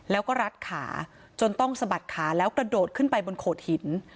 แล้วก็รัดขาจนต้องสะบัดขาแล้วกระโดดขึ้นไปบนโขดหิน